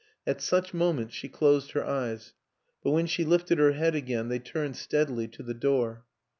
At such moments she closed her eyes, but when she lifted her head again they turned steadily to the door.